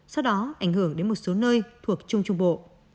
sau đó ảnh hưởng đến một số nơi thuộc trung trung bộ